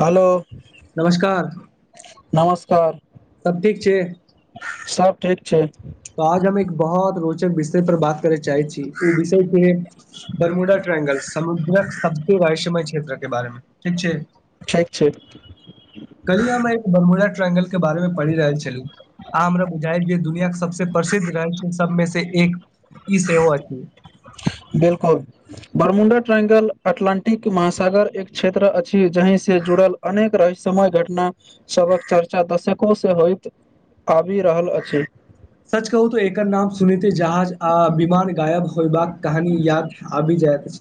हलो नमस्कार नमस्कार। सब ठीक छैय? सब ठीक छैय। तऽ आज हम एक बहुत रोचक विषय पर बात करे चाहै छी ओ विषय के बरमुडा समुद्रक सब वैष्यमय क्षेत्र के बारे मे ठीक छैय। ठीक छैय। कहली हम एक बरमुा ट्राइंगल के बारे मे पढ़ि रहल छलु आ हमरा बुझायल जे दुनिया के सबस प्रसिद्ध राइट सबमे से एक ई सेहो अछि। बिलकुल बरमुंडा ट्राइंगल अटलानंटिक महासागर एक क्षेत्र अछि जहि से जुड़ल अनेक रहस्यमय घटना सबक चर्चा दशको से होयइत आबि रहल अछि। सच कहू तो एकर नाम सुनते जहाज आ विमान गायब होयबाक कहानी याद आबी जायत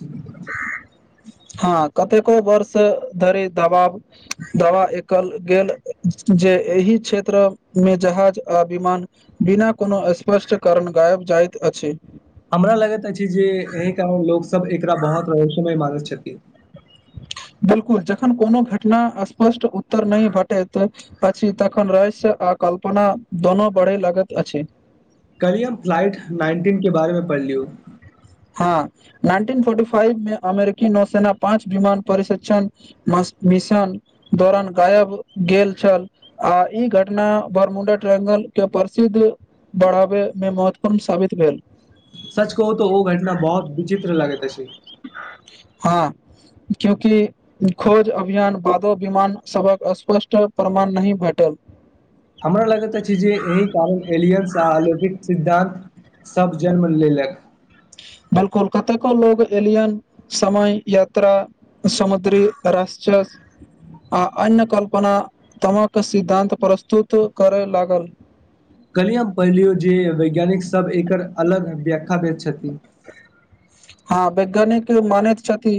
हँ कतेको वर्ष धरि दबाब दबा एकल गेल जे एहि क्षेत्र मे जहाज आ विमान बिना कोनो स्पष्ट कारण गायब जाइत अछि। हमरा लगैत अछि जे एहि कारण लोकसभ एकरा बहुत रसोमय मांगैत छथि। बिलकुल जखन कोनो घटना स्पष्ट उत्तर नहि भेटैत अछि तखन रहस्य आ कल्पना दोनो बढ़े लागैत अछि। कली हम फ्लाइट नाइनटीन के बारेमे पढ़लियौ हँ नाइनटीन फोर्टी फाइव मे अमेरिकी नौसेना पाँच विमान परशिक्षण म मिशन दौरान गायब गेल छल आ ई घटना बरमुंडा ट्रेंगल के प्रसिद्ध बढ़ाबेमे महत्वपूर्ण साबित भेल। सच कहू त ओ घटना बहुत विचित्र लगैत अछि। अचछ क्योंकि खोज अभियान बादो विमान सभक स्पष्ट प्रमाण नहि भेटल हमरा लागैत अछि जे एहि कारण एलियनस आ अलौकिक सिद्धान्त सब जन्म लेलक। कोलकाता के लोग एलियन समान यात्रा समुद्री रसचस आ अन्य कल्पना तमक सिद्धान्त प्रस्तुत करय लागल। कहलिय हम पहिलियौ जे वैज्ञानिक सब एकर अलग व्याख्या दैत छथि। हँ वैज्ञानिक मानैत छथि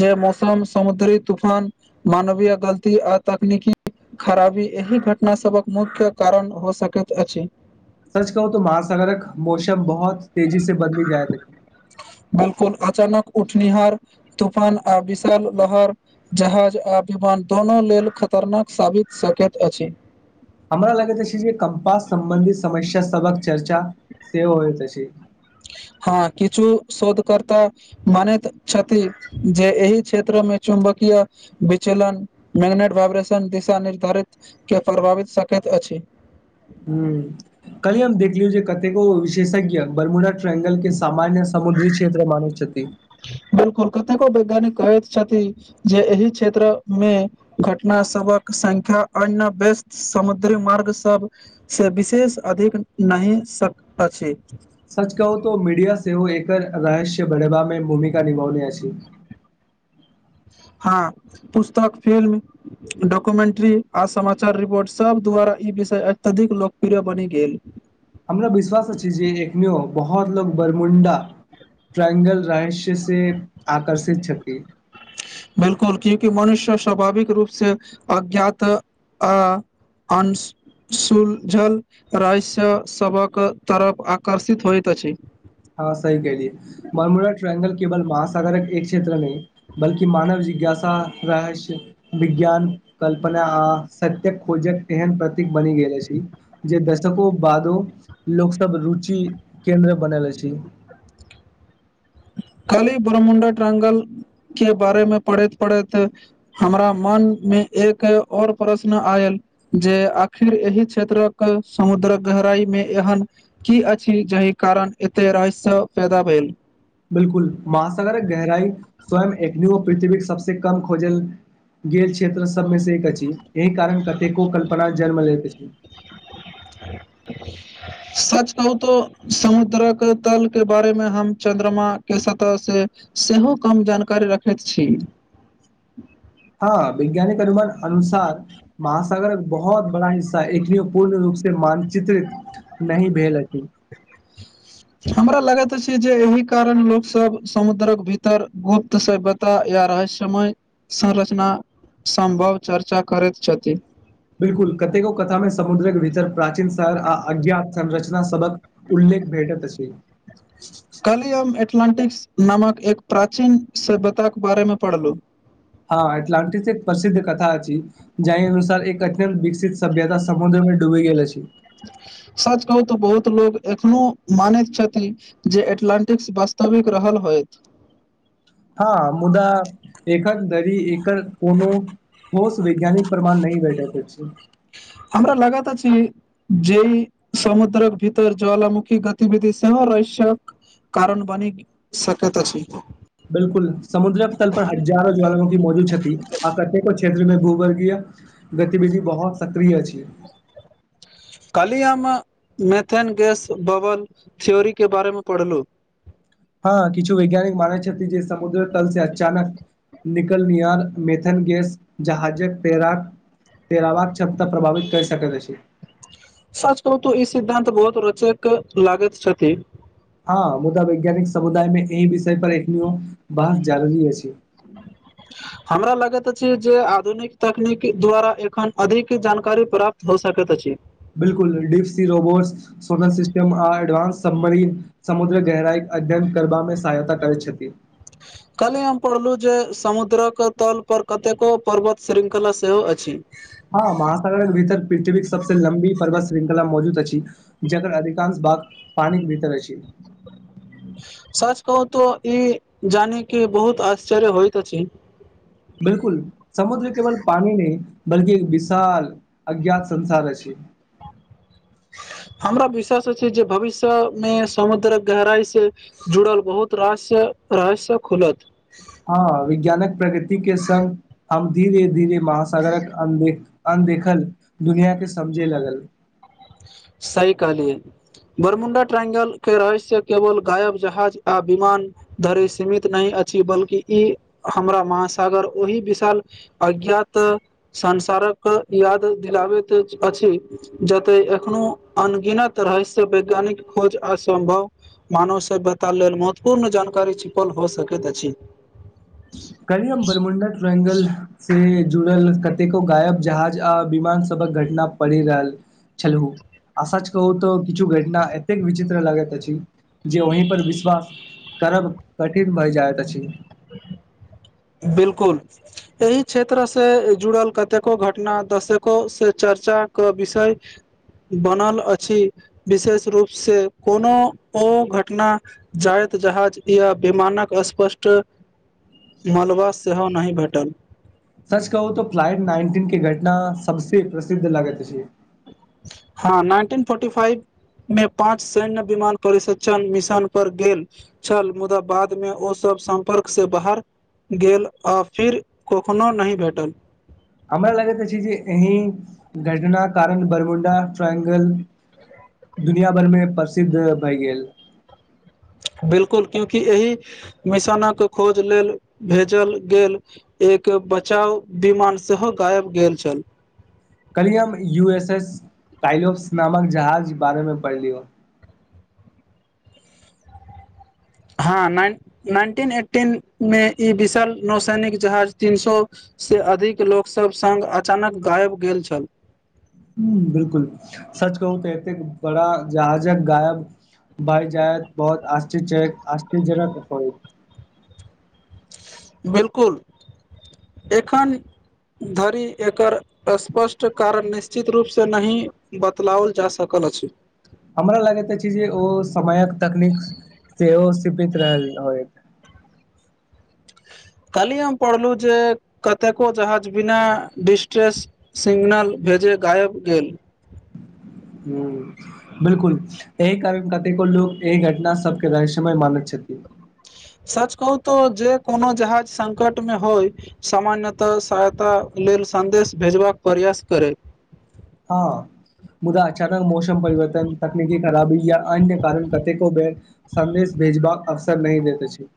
जे मौसम समुद्री तूफान मानवीय गलती आ तकनीकी खराबी एहि घटना सबक मुख्य कारण भ सकैत अछि। सच कहू तो महासागरक मौसम बहुत तेजी से बदली जायत अछि। बिलकुल अचानक उठनिहारहार तूफान आ विशाल लहर जहाज आ विमान दुनू लेल खतरनाक साबित सकैत अछि। हमरा लगैत अछि जे कम्पास सम्बंधित समस्या सबक चर्चा सेहो होइत अछि। हँ किछु शोध कर्ता मानैत छथि जे एहि क्षेत्रमे चुम्बकीय विचलन मैग्नेट वाइब्रेशन दिशा निर्धारित के प्रभावित सकैत अछि। हू कली हम देखलियौ जे कतेको विशेषज्ञ बारमूला ट्रांगल के सामान्य समुद्री क्षेत्र मानैत छथि। बिलकुल कतेको वैज्ञानिक कहैत छथि जे एहि क्षेत्र मे घटना सबक संख्या अन्य व्यस्त समुद्री मार्ग सब से विशेष अधिक नहि अछि। सच कहु तो मीडिया सेहो एकर रहस्य बढ़ेबा मे भूमिका निभौने अछि। हँ पुस्तक फिल्म डॉक्यूमेंट्री आ समाचार रिपोर्ट सभ द्वारा ई विषय अत्यधिक लोकप्रिय बनि गेल। हमरा विश्वास अछि जे एखनो बहुत लोग बरमुंडा ट्रइंगल रहस्य से आकर्षित छथि। बिलकुल क्यूकि मनुष्य स्वाभाविक रूप से अज्ञात आ अंश सुलझल राय स सभक तरफ आकर्षित होइत अछि। हँ सही कहलियऐ मरमुरा ्रायंगल केवल महासाागरक एक क्षेत्र नहि बल्कि मानव जिज्ञासा रहस्य विज्ञान कल्पना आ सत्य खोजक तेहन प्रतीक बनी गेल अछि। जे दशकों बादो लोक सब रुचि केन्द्र बनल अछी। खाली ब्र्मुण्डा ट्रंगल के बारेमे पढ़ैत पढ़ैत हमरा मन मे एक और प्रश्न आयल जे आखिर एहि क्षेत्रक समुद्र गहराई मे एहन की अछि जाहि कारण एते रहस्य पैदा भेल। बिलकुल महासागर गहराइ स्वयं एक पृथ्वी सबस कम खोजल गेल क्षेत्र सबमे से एक अछि एहि कारण कतेको कल्पना जन्म लैत अछि। [unintelligible] सच कहू तो समुद्रक तल के बारे मे हम चंन्द्रमा के सतह से सेहो कम जानकारी रखैत छी। हँ वैज्ञानिक अनुमान अनुसार महासागर एक बहुत बड़ा हिस्सा ह एक पूर्ण रूप से मानचित्र नहि भेल अछि। हमरा लगैत अछि जे एहि कारण लोक सब समुद्रक भीतर गुप्त से तऽ या रहस्यमय संरचना सम्भव चर्चा करैत छथि। बिलकुल कतेको कथामे समुद्रक भीतर प्राचीन शहर आ अज्ञात संरचना सबक उल्लेख भेटैत अछि। काल्हि हम एटलान्टिक्स नामक एक प्राचीन सभ्यताक बारेमे पढ़लहुँ हँ एटलांटिक एक प्रसिद्ध कथा अछि। जाहि अनुसार एक अत्यन्त विकसित सभ्यता समुद्रमे डूबी ग गेल अछि। सच कहू तऽ बहुत लोग एखनो मानैत छथि जे एटलंटिक वस्तविक रहल होयत। हँ मुदा एकखन धरी एकर कोनो ठोस वैज्ञानिक प्रमाण नहि भेटैत अछि। हमरा लगैत अछि जे ई समुद्रक भीर ज्वलमुखी गतिविधि सेहो रहस्यक कारण बनी सकैत अछि बिलकुल समुद्रक तल पर हजारो ज्वालामुखी मौजूद छति आ कतेको क्षेत्र मे भू वर्गीय गतिविधि बहुत सक्रिय छियै काल्हि हम मेथेन गैस बबल थ्योरीके बारेमे पढ़लहुँ हँ किछु वैज्ञानिक मानै छथि जे समुद्र तल से अचानक निकल नियार मेथन गेस जहाजक तैराक तरावक क्षमता प्रभावित कर सकैत अछि सच कहू त ई सिद्धान्त बहुत रोचक लागैत छथि हँ मुदा वैज्ञानिक समुदाय में एहि विषय पर एखन बहस जरूरी अछि [unintelligible] हमरा लगैत अछि जे आधुनिक तकनीक द्वारा एखन अधिक जानकारी प्राप्त हो सकैत अछि बिलकुल डप सी रोबोट्स सोलर सिस्टम आ एडवानस सब मरीन समुद्र गहराइ अध्ययन करमे सहायता करैत छथि काली हम पढ़लु जे समुद्रक तल पर कतेको पर्वत श्रृंखला सेहो अछि हँ हां महासागर भीतर पृथ्वी के सबसँ लम्बी पर्वत श्रृंखला मौजूद अछि जगकर अधिकांश भाग पानिक भीतर अछि सच कहु तऽ ई जानि क बहुत आश्चर्य होइत अछि बिलकुल समुद्र केवल पानी नहि बल्कि एक विशाल अज्ञात संसार अछि हमरा विश्वास छै जे भविष्यमे समुद्रक गहराइ से जुड़ल बहुत रास रहस्य खुलत हँ वैज्ञानक प्रगृति के संगङ हम धीरे धीरे महासागरक अ अनदेखल दुनिया के समझे लगल सही कहलियै बरमुं्डा ट्राइंगल के रहस्य केवल गायब जहाज आ विमान धरि सीमित नहि अछि बल्कि ई हमरा महासागर ओहि विशाल अज्ञात संसारक याद दिलाबैत अछि जते एखनो अनगिनत रहस्य वैज्ञानिक खोज असम्भव मानव सभ्यता लेल महत्वपूर्ण जानकारी छुपल हो सकैत अछि कहिम बर्रमुणडा ट्रायंगल से जुड़ल कतेको गायब जहाज आ विमान सबक घटना पड़ि रहल छलहु आ शच कहू तऽ किछु घटना एतेक विचित्र लगैत अछि जे वहि पर विश्वास करब कठिन भइ जाइत अछि [inaudible] बिलकुल एहि क्षेत्र से जुड़ल कतेको घटना दशेको से चर्चाे विषय बनल अछि विशेष रूपसँ कोनो ओ घटना जाइत जहाज या विमानक स्पष्ट मलबा सेहो नहि भेटल सच कहू त फ्लाइट नाइनटीन के घटना सबस प्रसिद्ध लगैत अछि हँ नाइनटीन फोर्टी फइव मे पाँच सैन्य विमान परिस्षण मिशन पर गेल छल मुदा बादमे ओ सब सम्पर्क से बाहर गेल आ फिर कखनो नहि भेटल हमरा लगैत छै जे एहिी घटनाक कारण बरमुं्डा ट्राायंगल दुनििया भरिमे प्रसिद्ध भए गेल बिलकुल क्यूंकि एहि मिशनकक खोज लेल भेजल गेल एक बचााव विमान सेहो गायब गेल छल कलहि हम यू एस एस टाइल ऑफ्स नामक जहाज बारेमे पढ़लिय ह हँ नाइनटीन एटीन मे ई विशल नौसैनिक जहाज तीन सए से अधिक लोक सब स्ग अचानक गायब गेल छल ह बिलकुल सच कहू तऽ एतेक बड़ा जहाजक गायब भाई जायत बहुत आश्चर्यजनक होय बिलकुल एखन धरि एकर स्पष्ट कारण निश्चित रूपसँ नहि बतलाओल जा सकल अछि हमरा लगैत अछि जे ओ समयक तकनीक सेहो सीमित रहल होय कहलहिए हम पढ़लहुँ जे कतेको जहाज बिना डिस्ट्रेस सिग्नल भेजय गायब गेल हू बिलकुल एहि कार्य कतेको लोको एहि घटना सबके रहस्यमय मानैत छथिन सच कहू तो जे कोनो जहाज संकट मे होय सामान्यतः सहायता लेल सन्देश भेजबाक प्रयास करै हँ मुदा अचानक मौसम परिवर्तन तकनीकी खराबी या अन्य कारण कतेको बेर संदेश भेजबाक अवसर नहि देैते छै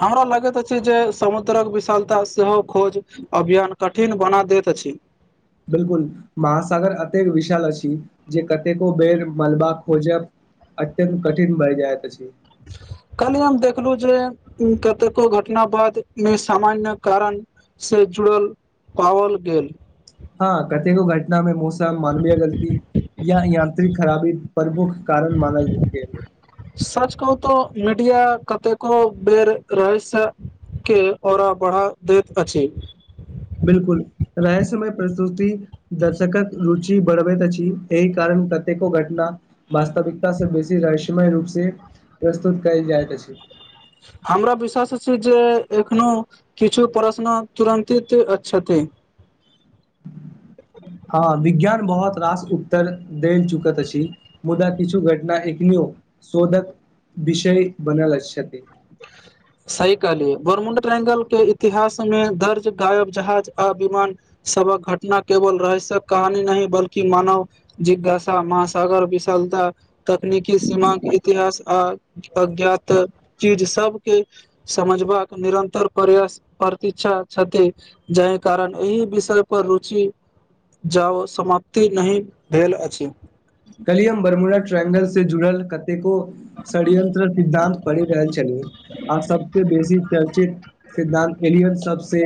हमरा लगैत अछि जे समुद्रक विशालता सेहो खोज अभियान कठिन बना दैत अछि बिलकुल महासागर अतेक विशाल अछि जे कतेको बेर मलबा खोजब अत्यन् कठिन बइ जाय त अछि कहलियी हम देखलहुँ जे कतेको घटना बाद मे सामान्य कारण से जुड़ल पाओल गेल हँ कतेको घटना मे मौसम मानवीय गलती यह यहाँ खराबी प्रमुख कारण मानल गेल सच कहु तऽ मीडिया कतेको बेर रहै स के ओऔरा बढ़ा दैत अछि बिलकुल रहसमय प्रस्तुति दर्शकक रुचि बढ़बैत अछि एहि कारण कतेको घटना वास्तविकता से बेसी रहस्यमय रूप से प्रस्तुत कयल जाइत अछि हमरा विश्वास छै जे एखनो किछु प्रश्न तुरन्तित छथि हँ विज्ञान बहुत रास उत्तर देल चुकत अछि मुदा किछु घटना एकनो शोधक विषय बनेल छथि [unintelligible] सही कहलिय बर्मुंड ट्रेंगल के इतिहास में दर्ज गायब जहाज आ विमान सबक घटना केवल रहस्यक कहानी नहि बल्कि मानव जिज्ञासा महासागर विशालता तकनीकी सीमााक के इतिहास आ अज्ञात चीज सबके समझबाक निरन्तर प्रयास प्रति्षा छथि जाहि कारण एहि विषय पर रुचि जाउ समाप्ति नहि भेल अछि कलियम बर्मुरा ट्रेंगल से जुड़ल कतेको षडयंत्र सिद्धान्त पढ़ि रहल छलै आर सबसे बेसी चर्चित सिद्धा्त एल सबसँ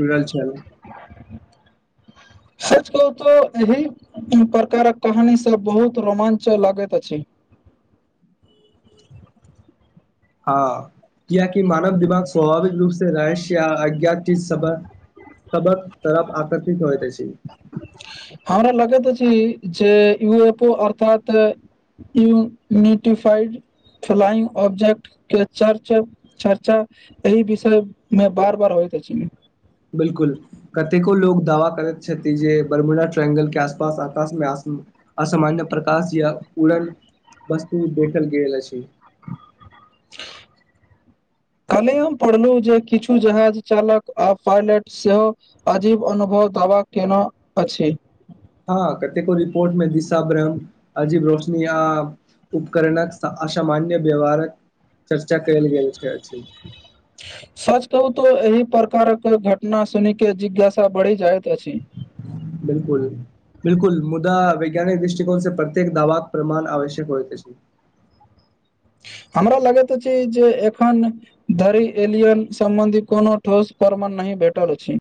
जुड़ल छल सच कहु तो एहि प्रकारक कहानी सब बहुत रोमां्च लागैत अछि हँ कियकि मानव दिमाग स्वाभाविक रूप से रहस्य या अज्ञात सबत तरफ आकर्षित होइ त अछि हमरा लगैत अछि जे यू एफ ओ अर्थात ई यूनिटिफाइड फ्लाइंग ऑब्जेक्ट के चर्च चर्चा एही विषय मे बार बार होइत अछि। बिलकुल कतेको लोको दावा करैत छथि जे बरमुना ट्रायंगलके आसपास आकाशमे आस असामान्य प्रकाश य उरन वस्तु देखल गेलल अछि। कालहि हम पढ़लहुँ जे किछु जहाज चालक आ पायलट सेहो अजीब अनुभव दवा केना अछि। हँ कतेको रिपोर्ट मे दिशा ब्रम अजीब रोशनी आ उपकरणक असामान्य व्यवहारक चर्चा कल गेल अछि। सच कहू तऽ एहि प्रकारके घटना सुनिके जिज्ञासा बढ़ि जाइत अछि। बिलकुल बिलकुल मुदा वैज्ञानिक दृष्टिकोन से प्रत्यक दावाक प्रमाण आवश्यक होइत अछि। हमरा लगैत अछि जे एखन धरी एलियन सम्बन्धी कोनो ठोस परमाान नहि भेटल अछि।